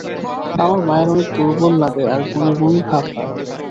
আমার মায়ের অনেক দূর্বল লাগে আর বমি বমি ভাব হয়।